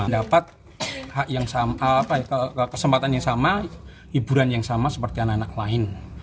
dapat kesempatan yang sama hiburan yang sama seperti anak anak lain